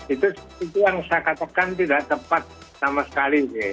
itu yang saya katakan tidak tepat sama sekali